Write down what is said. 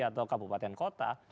atau kabupaten kota